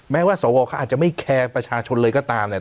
แม้ว่าสวเขาอาจจะไม่แคร์ประชาชนเลยก็ตามเนี่ย